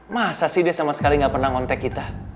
masa sih dia sama sekali ga pernah kontak kita